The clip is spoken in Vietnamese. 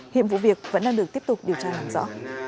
hiện vụ việc vẫn đang được tiếp tục điều tra làm rõ